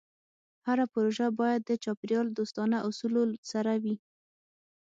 هره پروژه باید د چاپېریال دوستانه اصولو سره وي.